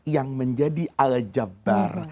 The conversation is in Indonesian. yang menjadi al jabbar